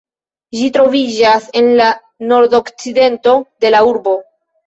Ĝi troviĝas en la nordokcidento de la urbo.